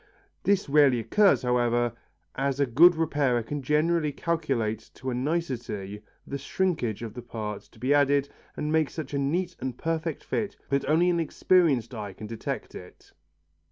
This rarely occurs, however, as a good repairer can generally calculate to a nicety the shrinkage of the part to be added and makes such a neat and perfect fit that only an experienced eye can detect it.